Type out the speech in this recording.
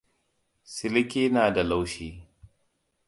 Siliki na da laushi.